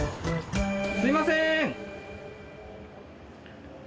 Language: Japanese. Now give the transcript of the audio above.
すいません！